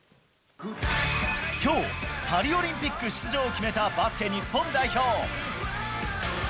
きょう、パリオリンピック出場を決めたバスケ日本代表。